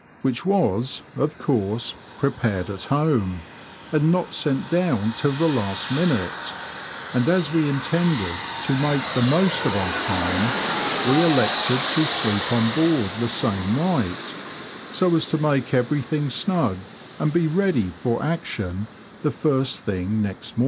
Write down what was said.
which was, of course, prepared at home, and not sent down till the last minute, and as we intended to make the most of our time, we elected to sleep on board the same night, so as to make every thing snug, and be ready for action the first thing next morning.